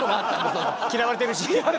嫌われてるし？